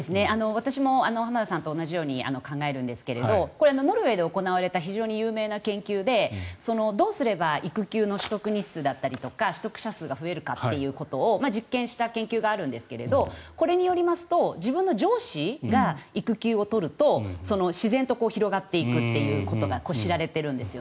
私も浜田さんと同じように考えるんですがこれ、ノルウェーで行われた非常に有名な研究でどうすれば育休の取得日数とか取得者数が増えるかということを実験した研究があるんですがこれによりますと自分の上司が育休を取ると自然と広がっていくということが知られているんです。